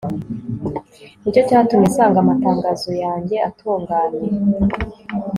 ni cyo cyatumye nsanga amatangazo yawe atunganye